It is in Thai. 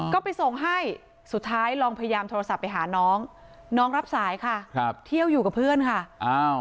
ก็ไปส่งให้สุดท้ายลองพยายามโทรศัพท์ไปหาน้องน้องรับสายค่ะครับเที่ยวอยู่กับเพื่อนค่ะอ้าว